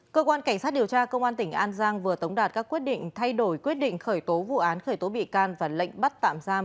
cơ quan cảnh sát điều tra công an tỉnh an giang vừa tống đạt các quyết định thay đổi quyết định khởi tố vụ án khởi tố bị can và lệnh bắt tạm giam